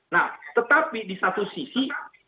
nah tetapi di satu sisi